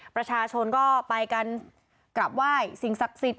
ประชาชนก็ไปกันกลับไหว้สิ่งศักดิ์สิทธิ